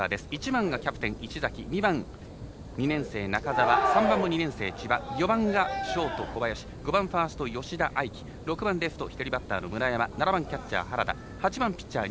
１番キャプテン石崎２番、２年生中澤３番も２年生、千葉４番がショート小林５番ファースト吉田亜偉希６番レフト左バッターの村山７番キャッチャー原田８番ピッチャー